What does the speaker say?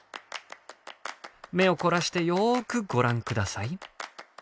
目を凝らしてよくご覧下さい。